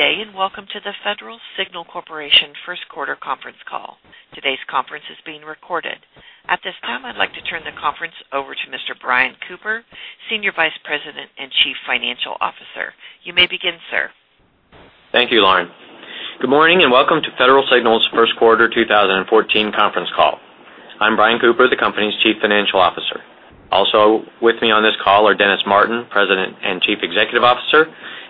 Good day, welcome to the Federal Signal Corporation first quarter conference call. Today's conference is being recorded. At this time, I'd like to turn the conference over to Mr. Brian Cooper, Senior Vice President and Chief Financial Officer. You may begin, sir. Thank you, Lauren. Good morning, welcome to Federal Signal's first quarter 2014 conference call. I'm Brian Cooper, the company's Chief Financial Officer. Also with me on this call are Dennis Martin, President and Chief Executive Officer,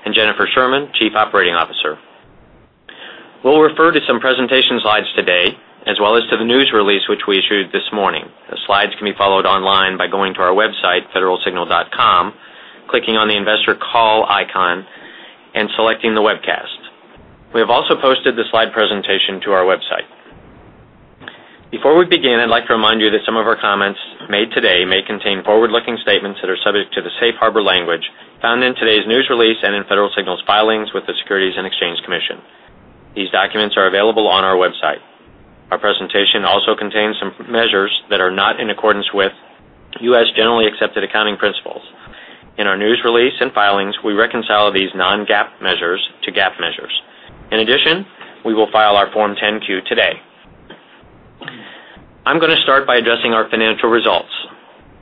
and Jennifer Sherman, Chief Operating Officer. We'll refer to some presentation slides today, as well as to the news release, which we issued this morning. The slides can be followed online by going to our website, federalsignal.com, clicking on the investor call icon, and selecting the webcast. We have also posted the slide presentation to our website. Before we begin, I'd like to remind you that some of our comments made today may contain forward-looking statements that are subject to the safe harbor language found in today's news release and in Federal Signal's filings with the Securities and Exchange Commission. These documents are available on our website. Our presentation also contains some measures that are not in accordance with U.S. Generally Accepted Accounting Principles. In our news release and filings, we reconcile these non-GAAP measures to GAAP measures. In addition, we will file our Form 10-Q today. I'm going to start by addressing our financial results.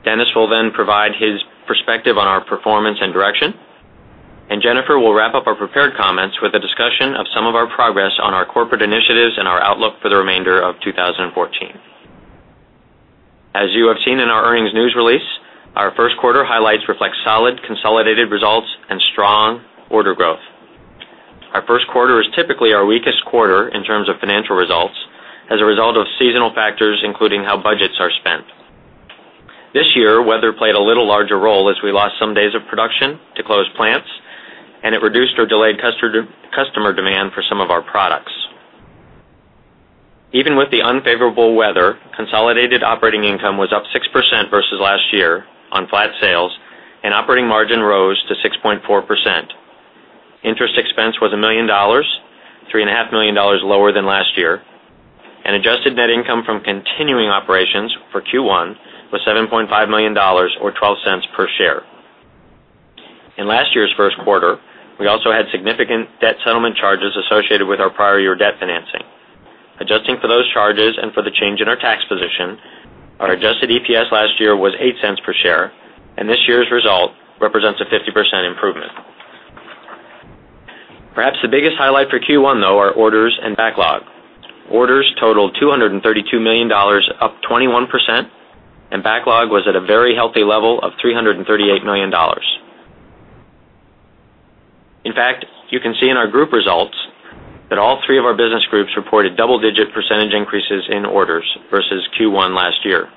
Dennis will then provide his perspective on our performance and direction. Jennifer will wrap up our prepared comments with a discussion of some of our progress on our corporate initiatives and our outlook for the remainder of 2014. As you have seen in our earnings news release, our first quarter highlights reflect solid consolidated results and strong order growth. Our first quarter is typically our weakest quarter in terms of financial results as a result of seasonal factors, including how budgets are spent. This year, weather played a little larger role as we lost some days of production to closed plants. It reduced or delayed customer demand for some of our products. Even with the unfavorable weather, consolidated operating income was up 6% versus last year on flat sales. Operating margin rose to 6.4%. Interest expense was $3.5 million lower than last year. Adjusted net income from continuing operations for Q1 was $7.5 million, or $0.12 per share. In last year's first quarter, we also had significant debt settlement charges associated with our prior year debt financing. Adjusting for those charges and for the change in our tax position, our adjusted EPS last year was $0.08 per share. This year's result represents a 50% improvement. Perhaps the biggest highlight for Q1, though, are orders and backlog. Orders totaled $232 million, up 21%, and backlog was at a very healthy level of $338 million. In fact, you can see in our group results that all three of our business groups reported double-digit percentage increases in orders versus Q1 last year.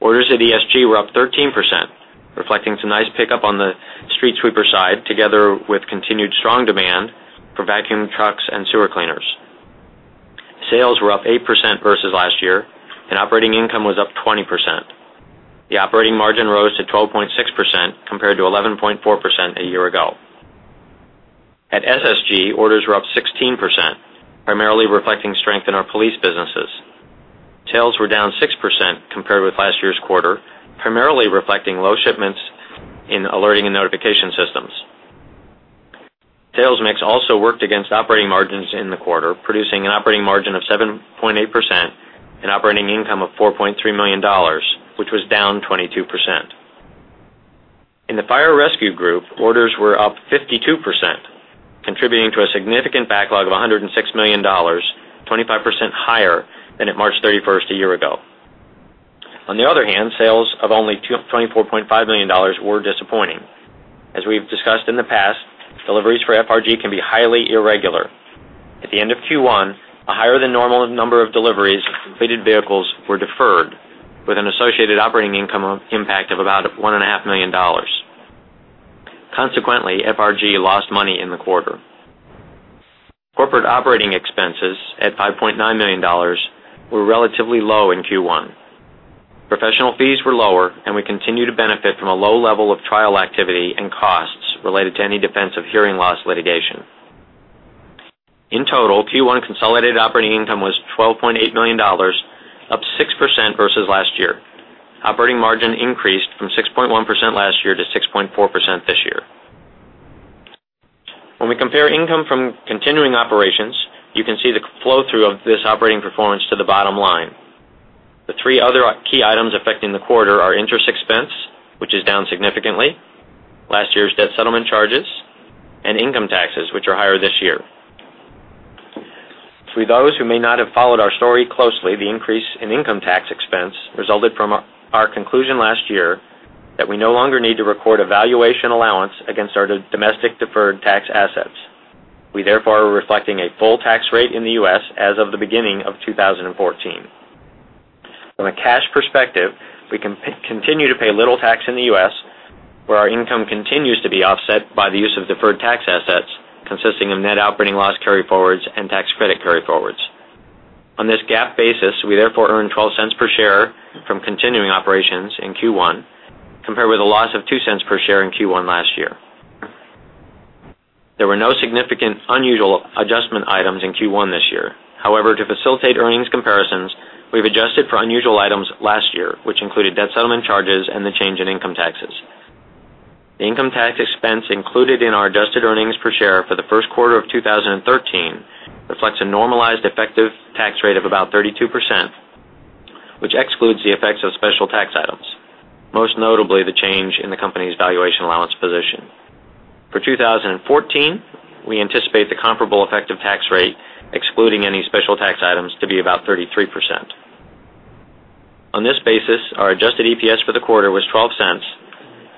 Orders at ESG were up 13%, reflecting some nice pickup on the street sweeper side, together with continued strong demand for vacuum trucks and sewer cleaners. Sales were up 8% versus last year, and operating income was up 20%. The operating margin rose to 12.6% compared to 11.4% a year ago. At SSG, orders were up 16%, primarily reflecting strength in our police businesses. Sales were down 6% compared with last year's quarter, primarily reflecting low shipments in alerting and notification systems. Sales mix also worked against operating margins in the quarter, producing an operating margin of 7.8% and operating income of $4.3 million, which was down 22%. In the Fire Rescue Group, orders were up 52%, contributing to a significant backlog of $106 million, 25% higher than at March 31st a year ago. Sales of only $24.5 million were disappointing. As we've discussed in the past, deliveries for FRG can be highly irregular. At the end of Q1, a higher-than-normal number of deliveries of completed vehicles were deferred with an associated operating income impact of about $1.5 million. Consequently, FRG lost money in the quarter. Corporate operating expenses at $5.9 million were relatively low in Q1. Professional fees were lower, and we continue to benefit from a low level of trial activity and costs related to any defensive hearing loss litigation. In total, Q1 consolidated operating income was $12.8 million, up 6% versus last year. Operating margin increased from 6.1% last year to 6.4% this year. When we compare income from continuing operations, you can see the flow-through of this operating performance to the bottom line. The three other key items affecting the quarter are interest expense, which is down significantly, last year's debt settlement charges, and income taxes, which are higher this year. For those who may not have followed our story closely, the increase in income tax expense resulted from our conclusion last year that we no longer need to record a valuation allowance against our domestic deferred tax assets. We therefore are reflecting a full tax rate in the U.S. as of the beginning of 2014. From a cash perspective, we continue to pay little tax in the U.S., where our income continues to be offset by the use of deferred tax assets consisting of net operating loss carryforwards and tax credit carryforwards. On this GAAP basis, we therefore earn $0.12 per share from continuing operations in Q1, compared with a loss of $0.02 per share in Q1 last year. There were no significant unusual adjustment items in Q1 this year. To facilitate earnings comparisons, we've adjusted for unusual taxes. The income tax expense included in our adjusted earnings per share for the first quarter of 2013 reflects a normalized effective tax rate of about 32%, which excludes the effects of special tax items, most notably the change in the company's valuation allowance position. For 2014, we anticipate the comparable effective tax rate, excluding any special tax items, to be about 33%. On this basis, our adjusted EPS for the quarter was $0.12,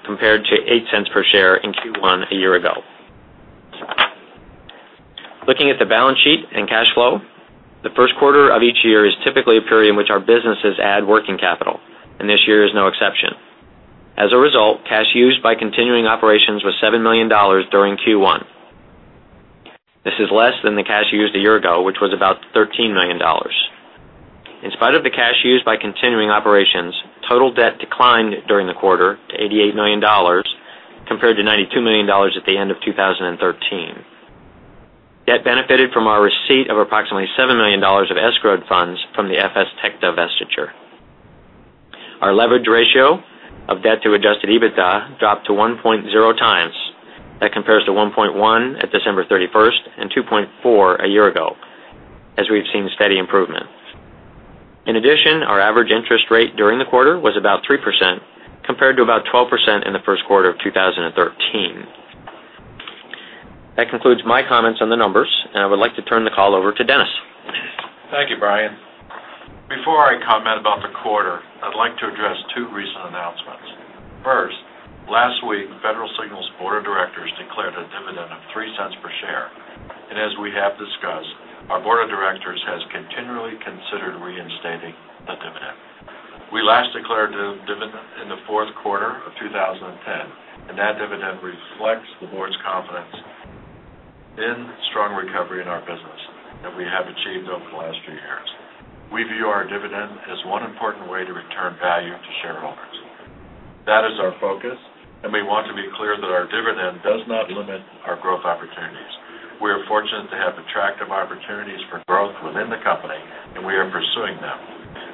compared to $0.08 per share in Q1 a year ago. Looking at the balance sheet and cash flow, the first quarter of each year is typically a period in which our businesses add working capital. This year is no exception. As a result, cash used by continuing operations was $7 million during Q1. This is less than the cash used a year ago, which was about $13 million. In spite of the cash used by continuing operations, total debt declined during the quarter to $88 million, compared to $92 million at the end of 2013. Debt benefited from our receipt of approximately $7 million of escrowed funds from the FSTech divestiture. Our leverage ratio of debt to adjusted EBITDA dropped to 1.0 times. That compares to 1.1 at December 31st and 2.4 a year ago, as we've seen steady improvement. In addition, our average interest rate during the quarter was about 3%, compared to about 12% in the first quarter of 2013. That concludes my comments on the numbers. I would like to turn the call over to Dennis. Thank you, Brian. Before I comment about the quarter, I'd like to address two recent announcements. First, last week, Federal Signal's board of directors declared a dividend of $0.03 per share. As we have discussed, our board of directors has continually considered reinstating the dividend. We last declared dividend in the fourth quarter of 2010. That dividend reflects the board's confidence in strong recovery in our business that we have achieved over the last few years. We view our dividend as one important way to return value to shareholders. That is our focus. We want to be clear that our dividend does not limit our growth opportunities. We are fortunate to have attractive opportunities for growth within the company. We are pursuing them.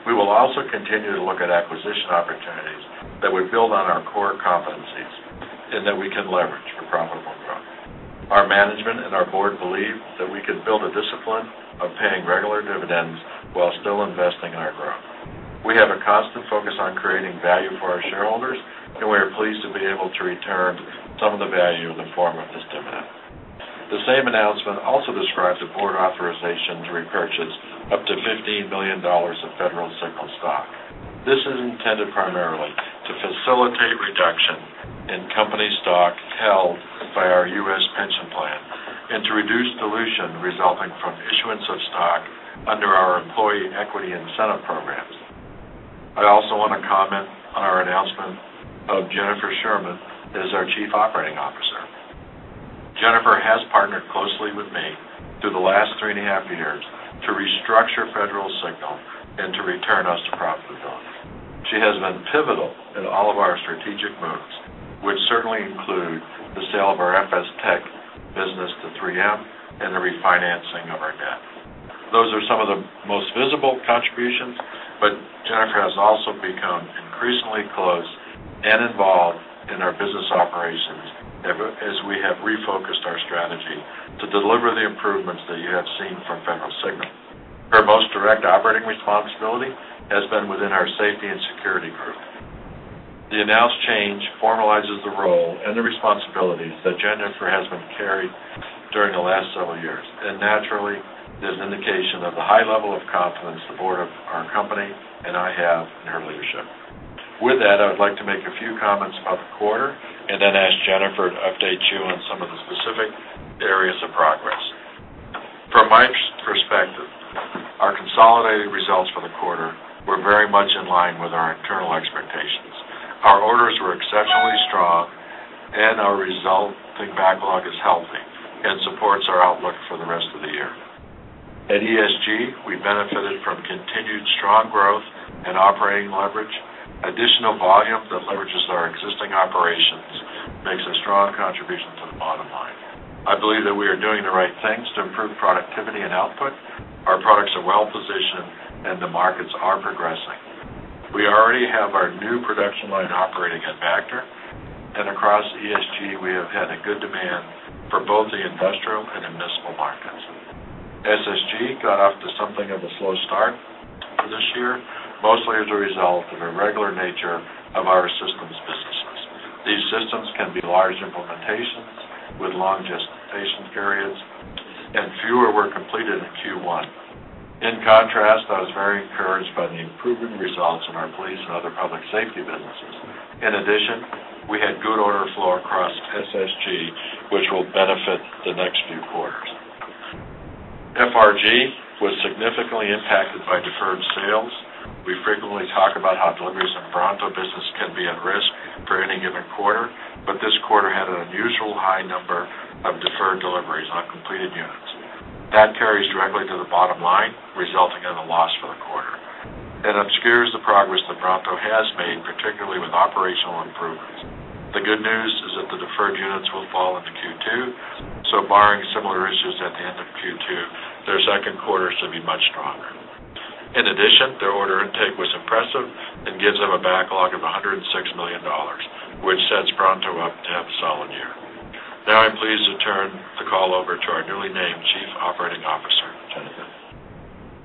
We will also continue to look at acquisition opportunities that would build on our core competencies. That we can leverage for profitable growth. Our management and our board believe that we can build a discipline of paying regular dividends while still investing in our growth. We have a constant focus on creating value for our shareholders. We are pleased to be able to return some of the value in the form of this dividend. The same announcement also describes a board authorization to repurchase up to $15 million of Federal Signal stock. This is intended primarily to facilitate reduction in company stock held by our U.S. pension plan and to reduce dilution resulting from issuance of stock under our employee equity incentive programs. I also want to comment on our announcement of Jennifer Sherman as our Chief Operating Officer. Jennifer has partnered closely with me through the last three and a half years to restructure Federal Signal and to return us to profitability. She has been pivotal in all of our strategic moves, which certainly include the sale of our FSTech business to 3M and the refinancing of our debt. Those are some of the most visible contributions, but Jennifer has also become increasingly close and involved in our business operations as we have refocused our strategy to deliver the improvements that you have seen from Federal Signal. Her most direct operating responsibility has been within our Safety and Security Group. The announced change formalizes the role and the responsibilities that Jennifer has been carrying during the last several years, and naturally is an indication of the high level of confidence the board of our company and I have in her leadership. With that, I would like to make a few comments about the quarter and then ask Jennifer to update you on some of the specific areas of progress. From my perspective, our consolidated results for the quarter were very much in line with our internal expectations. Our orders were exceptionally strong and our resulting backlog is healthy and supports our outlook for the rest of the year. At ESG, we benefited from continued strong growth and operating leverage. Additional volume that leverages our existing operations makes a strong contribution to the bottom line. I believe that we are doing the right things to improve productivity and output. Our products are well positioned and the markets are progressing. We already have our new production line operating at Vactor. Across ESG, we have had a good demand for both the industrial and municipal markets. SSG got off to something of a slow start for this year, mostly as a result of the regular nature of our systems businesses. These systems can be large implementations with long gestation periods, and fewer were completed in Q1. In contrast, I was very encouraged by the improving results in our police and other public safety businesses. In addition, we had good order flow across SSG, which will benefit the next few quarters. FRG was significantly impacted by deferred sales. We frequently talk about how deliveries in the Bronto business can be at risk for any given quarter, but this quarter had an unusual high number of deferred deliveries on completed units. That carries directly to the bottom line, resulting in a loss for the quarter. It obscures the progress that Bronto has made, particularly with operational improvements. The good news is that the deferred units will fall into Q2, so barring similar issues at the end of Q2. In addition, their order intake was impressive and gives them a backlog of $106 million, which sets Bronto up to have a solid year. I'm pleased to turn the call over to our newly named Chief Operating Officer, Jennifer.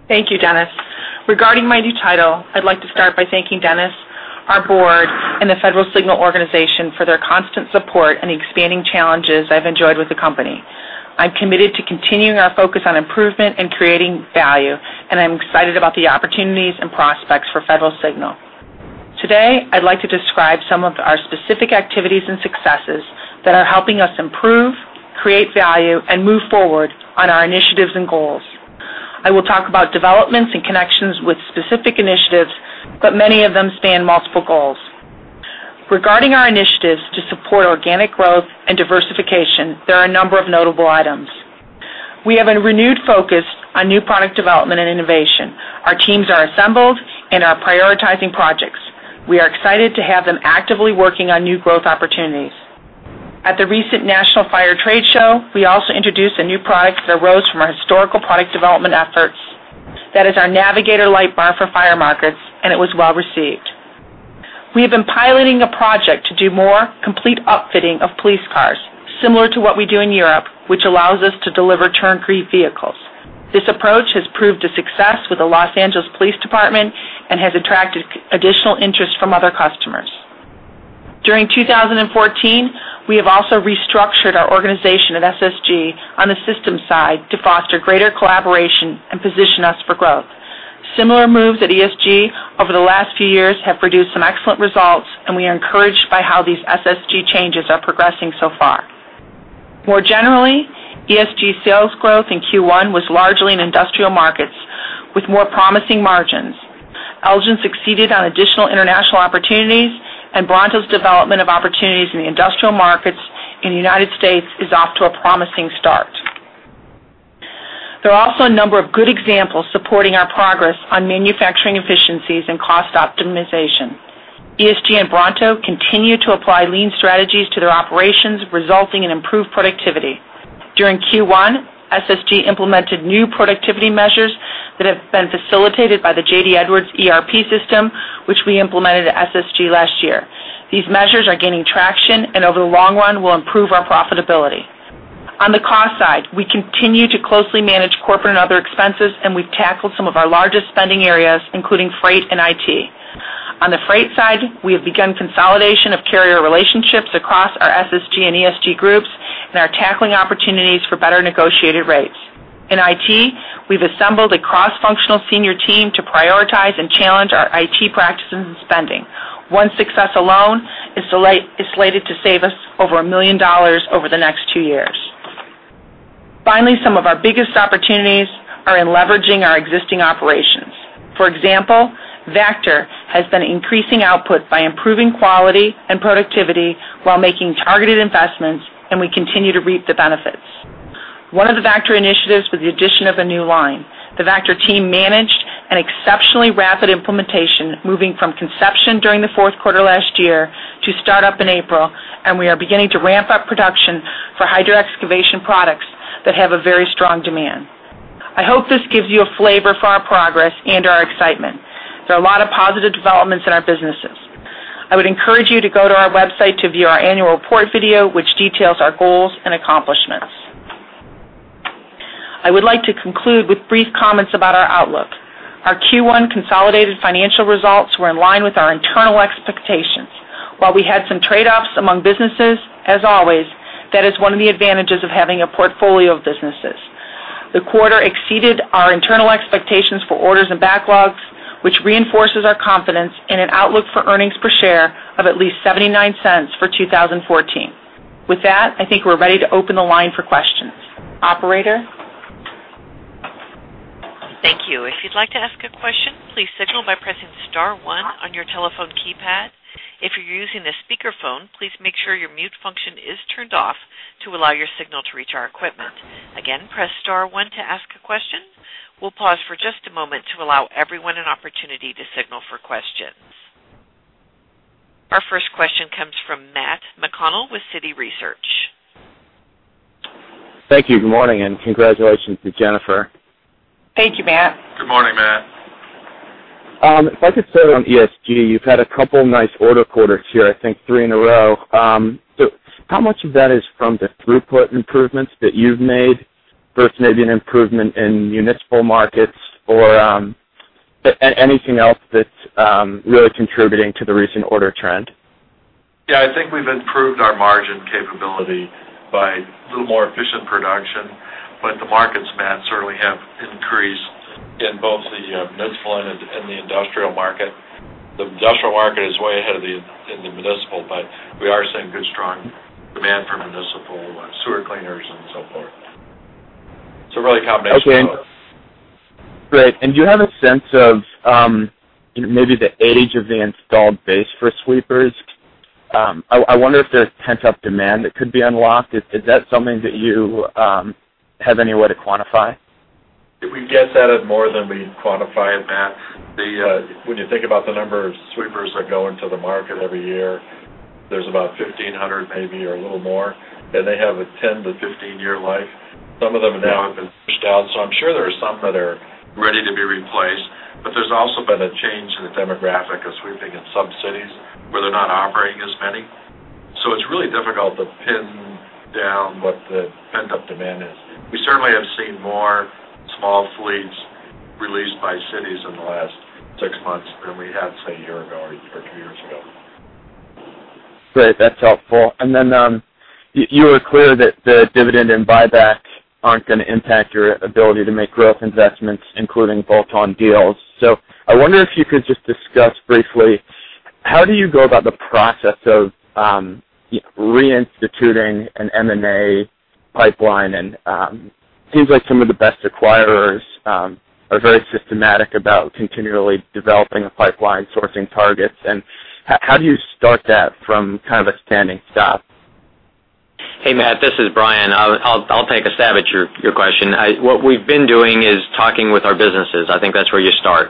Thank you, Dennis. Regarding my new title, I'd like to start by thanking Dennis, our board, and the Federal Signal organization for their constant support and the expanding challenges I've enjoyed with the company. I'm committed to continuing our focus on improvement and creating value, and I'm excited about the opportunities and prospects for Federal Signal. Today, I'd like to describe some of our specific activities and successes that are helping us improve, create value, and move forward on our initiatives and goals. I will talk about developments and connections with specific initiatives, but many of them span multiple goals. Regarding our initiatives to support organic growth and diversification, there are a number of notable items. We have a renewed focus on new product development and innovation. Our teams are assembled and are prioritizing projects. We are excited to have them actively working on new growth opportunities. At the recent National Fire Trade Show, we also introduced a new product that arose from our historical product development efforts. That is our Navigator light bar for fire markets, and it was well received. We have been piloting a project to do more complete upfitting of police cars, similar to what we do in Europe, which allows us to deliver turnkey vehicles. This approach has proved a success with the Los Angeles Police Department and has attracted additional interest from other customers. During 2014, we have also restructured our organization at SSG on the systems side to foster greater collaboration and position us for growth. Similar moves at ESG over the last few years have produced some excellent results, and we are encouraged by how these SSG changes are progressing so far. More generally, ESG sales growth in Q1 was largely in industrial markets with more promising margins. Elgin succeeded on additional international opportunities, and Bronto's development of opportunities in the industrial markets in the United States is off to a promising start. There are also a number of good examples supporting our progress on manufacturing efficiencies and cost optimization. ESG and Bronto continue to apply lean strategies to their operations, resulting in improved productivity. During Q1, SSG implemented new productivity measures that have been facilitated by the J.D. Edwards ERP system, which we implemented at SSG last year. These measures are gaining traction and over the long run will improve our profitability. On the cost side, we continue to closely manage corporate and other expenses, and we've tackled some of our largest spending areas, including freight and IT. On the freight side, we have begun consolidation of carrier relationships across our SSG and ESG groups and are tackling opportunities for better negotiated rates. In IT, we've assembled a cross-functional senior team to prioritize and challenge our IT practices and spending. One success alone is slated to save us over $1 million over the next two years. Some of our biggest opportunities are in leveraging our existing operations. For example, Vactor has been increasing output by improving quality and productivity while making targeted investments, and we continue to reap the benefits. One of the Vactor initiatives was the addition of a new line. The Vactor team managed an exceptionally rapid implementation, moving from conception during the fourth quarter last year to start up in April, and we are beginning to ramp up production for hydro-excavation products that have a very strong demand. I hope this gives you a flavor for our progress and our excitement. There are a lot of positive developments in our businesses. I would encourage you to go to our website to view our annual report video, which details our goals and accomplishments. I would like to conclude with brief comments about our outlook. Our Q1 consolidated financial results were in line with our internal expectations. While we had some trade-offs among businesses, as always, that is one of the advantages of having a portfolio of businesses. The quarter exceeded our internal expectations for orders and backlogs, which reinforces our confidence in an outlook for earnings per share of at least $0.79 for 2014. With that, I think we're ready to open the line for questions. Operator? Thank you. If you'd like to ask a question, please signal by pressing star one on your telephone keypad. If you're using a speakerphone, please make sure your mute function is turned off to allow your signal to reach our equipment. Again, press star one to ask a question. We'll pause for just a moment to allow everyone an opportunity to signal for questions. Our first question comes from Matt McConnell with Citi Research. Thank you. Good morning. Congratulations to Jennifer. Thank you, Matt. Good morning, Matt. If I could start on ESG, you've had a couple nice order quarters here, I think three in a row. How much of that is from the throughput improvements that you've made versus maybe an improvement in municipal markets or anything else that's really contributing to the recent order trend? Yeah. I think we've improved our margin capability by a little more efficient production, but the markets, Matt, certainly have increased in both the municipal and the industrial market. The industrial market is way ahead of the municipal, but we are seeing good strong demand for municipal sewer cleaners and so forth. It's a really combination of both. Okay. Great. Do you have a sense of maybe the age of the installed base for sweepers? I wonder if there's pent-up demand that could be unlocked. Is that something that you have any way to quantify? We guess at it more than we quantify it, Matt. When you think about the number of sweepers that go into the market every year, there's about 1,500 maybe or a little more, and they have a 10-15 year life. Some of them now have been pushed out, so I'm sure there are some that are ready to be replaced. There's also been a change in the demographic of sweeping in some cities where they're not operating as many. It's really difficult to pin down what the pent-up demand is. We certainly have seen more small fleets released by cities in the last six months than we had, say, a year ago or two years ago. Great. That's helpful. You were clear that the dividend and buybacks aren't going to impact your ability to make growth investments, including bolt-on deals. I wonder if you could just discuss briefly, how do you go about the process of reinstituting an M&A pipeline? Seems like some of the best acquirers are very systematic about continually developing a pipeline, sourcing targets, and how do you start that from kind of a standing stop? Hey, Matt, this is Brian. I'll take a stab at your question. What we've been doing is talking with our businesses. I think that's where you start.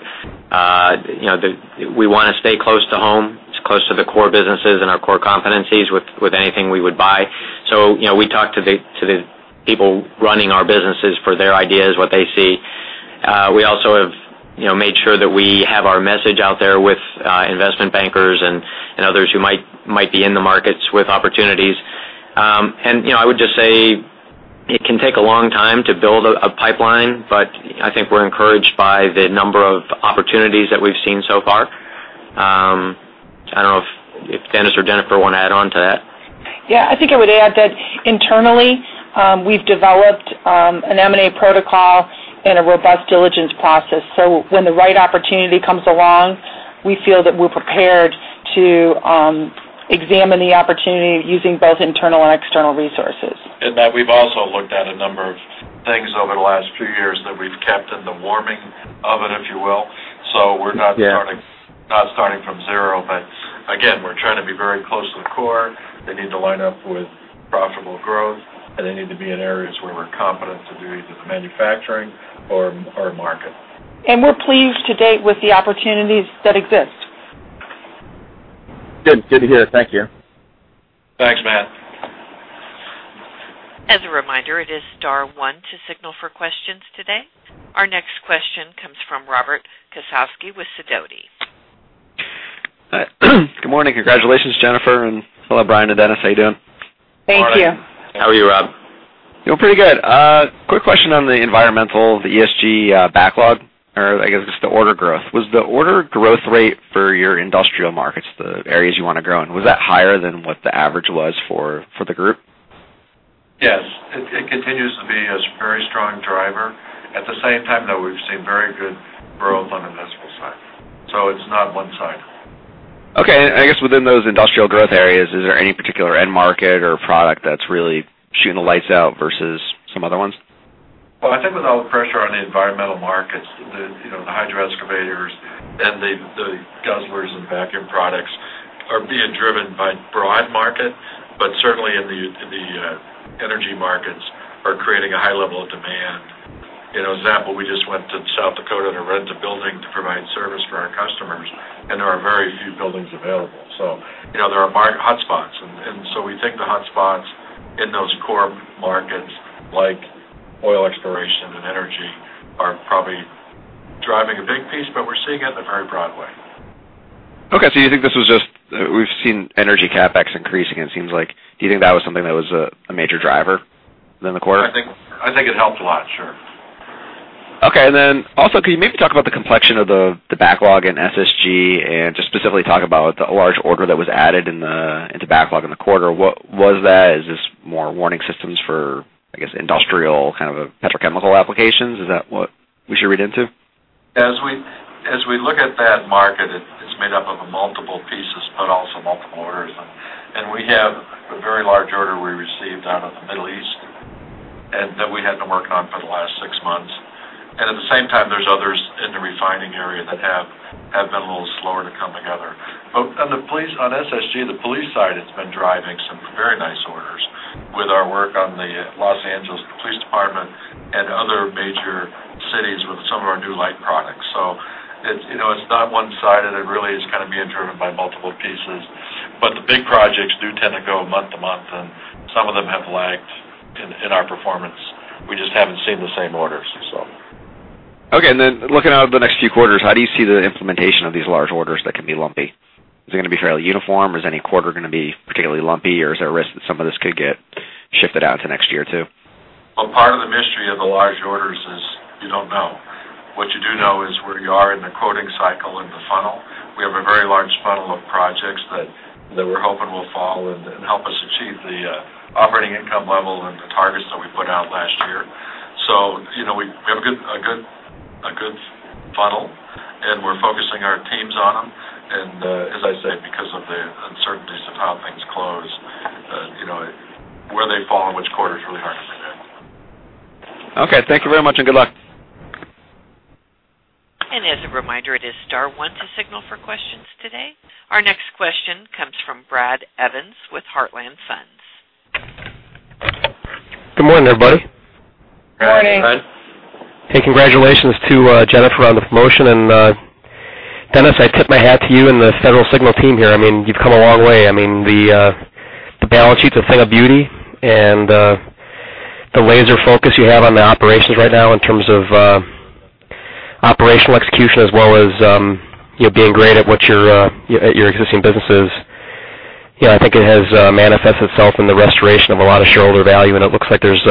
We want to stay close to home, as close to the core businesses and our core competencies with anything we would buy. We talk to the people running our businesses for their ideas, what they see. We also have made sure that we have our message out there with investment bankers and others who might be in the markets with opportunities. I would just say it can take a long time to build a pipeline, but I think we're encouraged by the number of opportunities that we've seen so far. I don't know if Dennis or Jennifer want to add on to that. Yeah. I think I would add that internally, we've developed an M&A protocol and a robust diligence process. When the right opportunity comes along, we feel that we're prepared to examine the opportunity using both internal and external resources. Matt, we've also looked at a number of things over the last few years that we've kept in the warming oven, if you will. Yeah starting from zero. Again, we're trying to be very close to the core. They need to line up with profitable growth, and they need to be in areas where we're competent to do either the manufacturing or market. We're pleased to date with the opportunities that exist. Good to hear. Thank you. Thanks, Matt. As a reminder, it is star one to signal for questions today. Our next question comes from Robert Kosowsky with Sidoti. Good morning. Congratulations, Jennifer. Hello, Brian and Dennis. How are you doing? Thank you. How are you, Rob? Doing pretty good. Quick question on the environmental, the ESG backlog, or I guess just the order growth. Was the order growth rate for your industrial markets, the areas you want to grow in, was that higher than what the average was for the group? Yes. It continues to be a very strong driver. At the same time, though, we've seen very good growth on the municipal side. It's not one-sided. Okay. I guess within those industrial growth areas, is there any particular end market or product that's really shooting the lights out versus some other ones? I think with all the pressure on the environmental markets, the hydro excavators and the Guzzler and vacuum products are being driven by broad market, but certainly in the energy markets are creating a high level of demand. As an example, we just went to South Dakota to rent a building to provide service for our customers, and there are very few buildings available. There are market hotspots. We think the hotspots in those core markets, like oil exploration and energy, are probably driving a big piece, but we're seeing it in a very broad way. You think this was just We've seen energy CapEx increasing, it seems like. Do you think that was something that was a major driver within the quarter? I think it helped a lot. Sure. Also, can you maybe talk about the complexion of the backlog in SSG and just specifically talk about the large order that was added into backlog in the quarter? What was that? Is this more warning systems for, I guess, industrial kind of petrochemical applications? Is that what we should read into? As we look at that market, it's made up of multiple pieces, also multiple orders. We have a very large order we received out of the Middle East, that we had to work on for the last six months. At the same time, there's others in the refining area that have been a little slower to come together. On SSG, the police side has been driving some very nice orders with our work on the Los Angeles Police Department and other major cities with some of our new light products. It's not one-sided. It really is kind of being driven by multiple pieces. The big projects do tend to go month to month, and some of them have lagged in our performance. We just haven't seen the same orders. Okay. Looking out at the next few quarters, how do you see the implementation of these large orders that can be lumpy? Is it going to be fairly uniform? Is any quarter going to be particularly lumpy, or is there a risk that some of this could get shifted out to next year, too? Well, part of the mystery of the large orders is you don't know. What you do know is where you are in the quoting cycle in the funnel. We have a very large funnel of projects that we're hoping will fall and help us achieve the operating income level and the targets that we put out last year. We have a good funnel, and we're focusing our teams on them. As I say, because of the uncertainties of how things close, where they fall and which quarter is really hard to predict. Okay. Thank you very much, and good luck. As a reminder, it is star one to signal for questions today. Our next question comes from Bradford Evans with Heartland Advisors. Good morning, everybody. Good morning. Good morning, Brad. Hey, congratulations to Jennifer on the promotion, Dennis, I tip my hat to you and the Federal Signal team here. You've come a long way. The balance sheet's a thing of beauty, and the laser focus you have on the operations right now in terms of operational execution as well as being great at your existing businesses. I think it has manifested itself in the restoration of a lot of shareholder value, and it looks like there's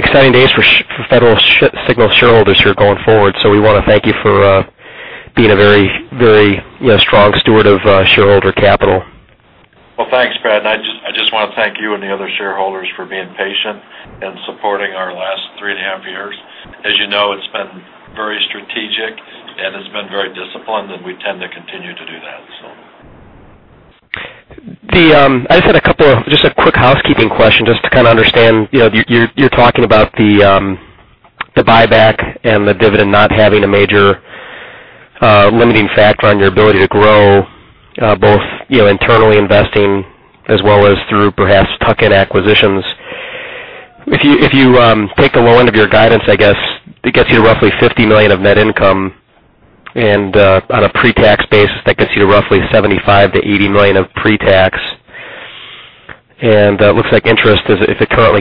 exciting days for Federal Signal shareholders here going forward. We want to thank you for being a very strong steward of shareholder capital. Well, thanks, Brad, I just want to thank you and the other shareholders for being patient and supporting our last three and a half years. As you know, it's been very strategic and has been very disciplined, we tend to continue to do that. I just had a quick housekeeping question just to kind of understand. You're talking about the buyback and the dividend not having a major limiting factor on your ability to grow, both internally investing as well as through perhaps tuck-in acquisitions. If you take the low end of your guidance, I guess, it gets you to roughly $50 million of net income, and on a pre-tax basis, that gets you to roughly $75 million-$80 million of pre-tax. It looks like interest is at currently,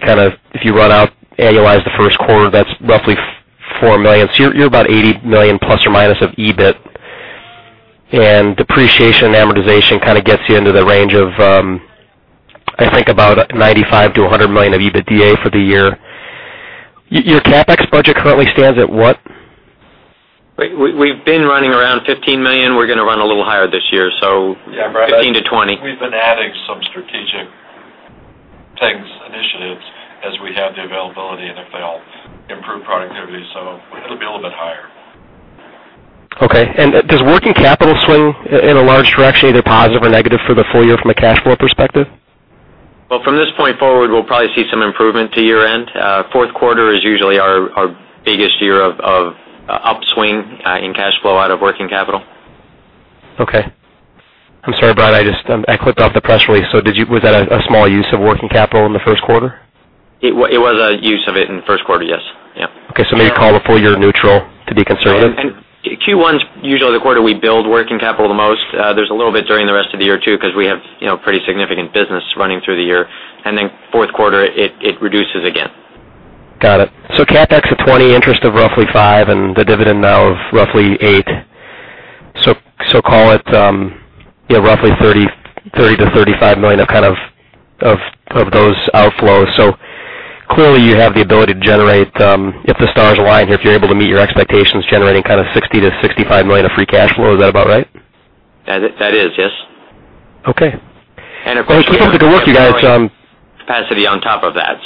if you run out, annualize the first quarter, that's roughly $4 million. You're about $80± million of EBIT. Depreciation and amortization kind of gets you into the range of, I think about $95 million-$100 million of EBITDA for the year. Your CapEx budget currently stands at what? We've been running around $15 million. We're going to run a little higher this year. Yeah, Brad. $15-$20. We've been adding some strategic things, initiatives, as we have the availability, and if they all improve productivity, so it'll be a little bit higher. Okay. Does working capital swing in a large direction, either positive or negative for the full year from a cash flow perspective? Well, from this point forward, we'll probably see some improvement to year-end. Fourth quarter is usually our biggest year of upswing in cash flow out of working capital. Okay. I'm sorry, Brian, I clipped off the press release. Was that a small use of working capital in the first quarter? It was a use of it in the first quarter, yes. Okay. Maybe call it full year neutral to be conservative? Q1's usually the quarter we build working capital the most. There's a little bit during the rest of the year too because we have pretty significant business running through the year. Then fourth quarter, it reduces again. Got it. CapEx of $20, interest of roughly $5, and the dividend now of roughly $8. Call it roughly $30 million-$35 million of those outflows. Clearly you have the ability to generate, if the stars align here, if you're able to meet your expectations, generating kind of $60 million-$65 million of free cash flow. Is that about right? That is, yes. Okay. Of course- It seems like a good work you guys- Capacity on top of that.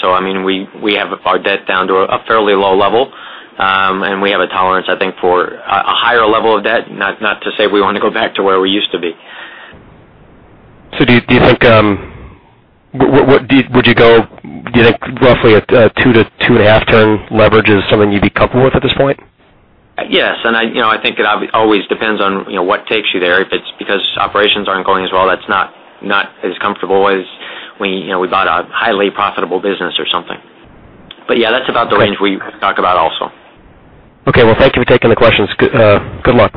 We have our debt down to a fairly low level, and we have a tolerance, I think, for a higher level of debt. Not to say we want to go back to where we used to be. Do you think roughly a 2-2.5 turn leverage is something you'd be comfortable with at this point? Yes. I think it always depends on what takes you there. If it's because operations aren't going as well, that's not as comfortable as we bought a highly profitable business or something. Yeah, that's about the range we talk about also. Okay. Well, thank you for taking the questions. Good luck.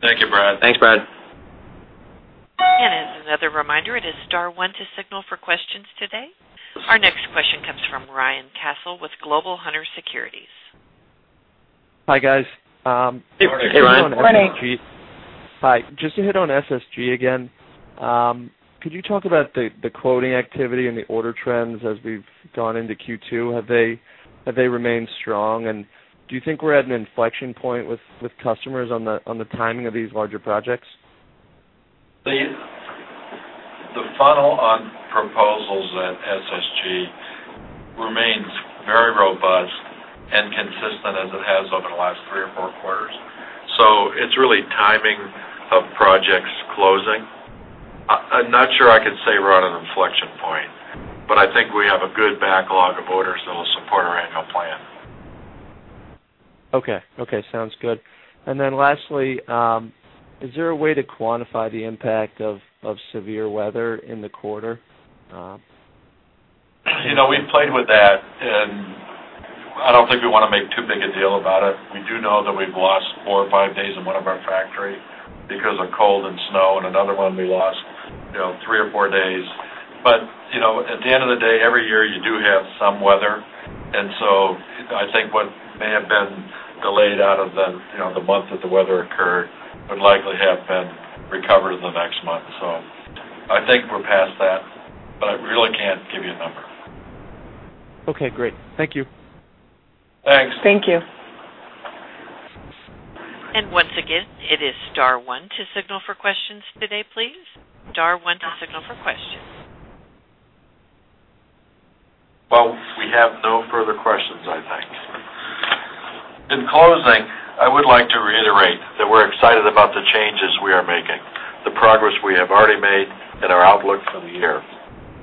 Thank you, Brad. Thanks, Brad. As another reminder, it is star one to signal for questions today. Our next question comes from Ryan Castle with Global Hunter Securities. Hi, guys. Good morning, Ryan. Good morning. Hi. Just to hit on SSG again. Could you talk about the quoting activity and the order trends as we've gone into Q2? Have they remained strong? Do you think we're at an inflection point with customers on the timing of these larger projects? The funnel on proposals at SSG remains very robust and consistent as it has over the last three or four quarters. It's really timing of projects closing. I'm not sure I can say we're at an inflection point, but I think we have a good backlog of orders that will support our annual plan. Okay. Sounds good. Then lastly, is there a way to quantify the impact of severe weather in the quarter? We've played with that, and I don't think we want to make too big a deal about it. We do know that we've lost four or five days in one of our factories because of cold and snow, and another one we lost three or four days. At the end of the day, every year you do have some weather. I think what may have been delayed out of the month that the weather occurred would likely have been recovered in the next month. I think we're past that, but I really can't give you a number. Okay, great. Thank you. Thanks. Thank you. Once again, it is star one to signal for questions today, please. Star one to signal for questions. Well, we have no further questions, I think. In closing, I would like to reiterate that we're excited about the changes we are making, the progress we have already made, and our outlook for the year.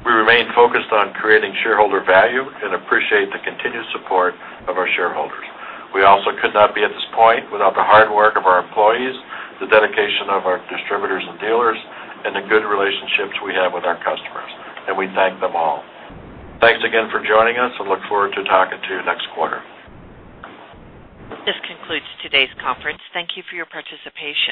We remain focused on creating shareholder value and appreciate the continued support of our shareholders. We also could not be at this point without the hard work of our employees, the dedication of our distributors and dealers, and the good relationships we have with our customers, and we thank them all. Thanks again for joining us and look forward to talking to you next quarter. This concludes today's conference. Thank you for your participation.